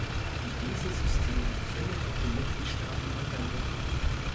Dieses System findet auf die Mitgliedstaaten Anwendung.